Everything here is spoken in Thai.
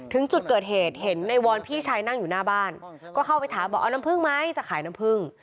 ถึงจุดเกิดเหตุเห็นในวอนพี่ชายนั่งอยู่หน้าบ้านก็เข้าไปถามบอกเอาน้ำผึ้งไหมจะขายน้ำผึ้ง